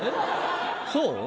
そう？